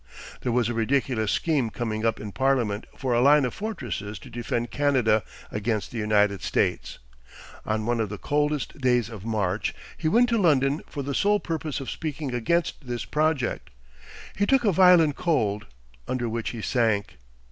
There was a ridiculous scheme coming up in Parliament for a line of fortresses to defend Canada against the United States. On one of the coldest days of March he went to London for the sole purpose of speaking against this project. He took a violent cold, under which he sank.